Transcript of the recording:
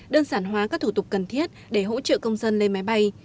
đơn giản hóa các thủ tục cần thiết để hỗ trợ công dân lên máy bay